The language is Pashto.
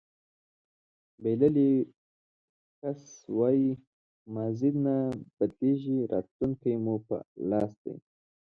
بېلي کوکس وایي ماضي نه بدلېږي راتلونکی مو په لاس دی.